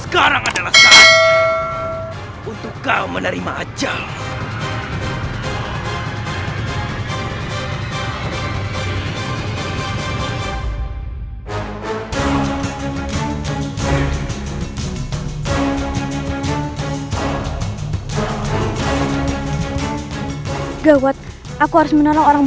kalian atau kalian sendiri adalah kepengaruhan dalam kebenaran